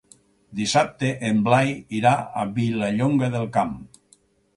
Dissabte en Blai irà a Vilallonga del Camp.